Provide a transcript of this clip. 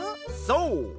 そう！